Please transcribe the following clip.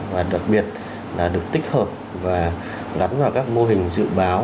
và đặc biệt là được tích hợp và gắn vào các mô hình dự báo